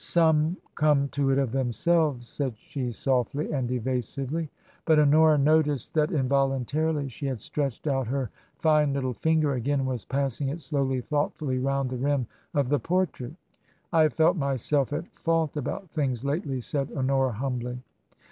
" Some come to it of themselves," said she, softly and evasively. But Honora noticed that involuntarily she had stretched out her fine little finger again and was passing it slowly, thoughtfully, round the rim of the por trait. " I have felt myself at fault about things lately," said Honora, humbly.